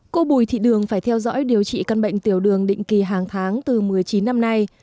cô bùi thị đường phải theo dõi điều trị căn bệnh tiểu đường định kỳ hàng tháng từ một mươi chín năm nay